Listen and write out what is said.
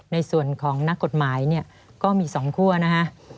ในส่วนของนักกฎหมายเนี่ยก็มี๒คั่วนะฮะ